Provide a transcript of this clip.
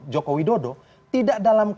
jokowi dodo tidak dalam